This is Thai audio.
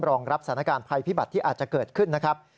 รองรับสถานการณ์ภัยพิบัติที่อาจจะเกิดขึ้นนะครับ